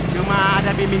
cuma ada pimpinan